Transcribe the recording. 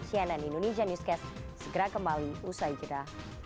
cnn indonesia newscast segera kembali usai jeda